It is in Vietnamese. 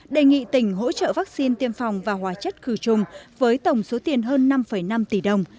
đề nghị tỉnh hỗ trợ vaccine tiêm phòng và hóa chất khử trùng với tổng số tiền hơn năm năm tỷ đồng